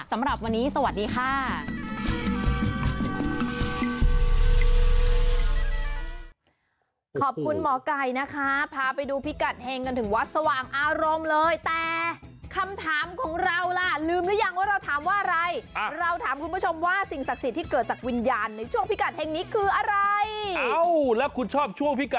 ทั้งหมดคือเรื่องราวพิกัดเห็งของเราในวันนี้ค่ะ